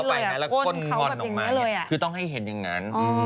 หักเข้าไปแล้วก็ก้นมอนลงมาคือต้องให้เห็นอย่างนั้น